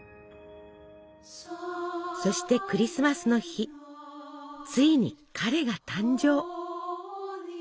そしてクリスマスの日ついに「彼」が誕生！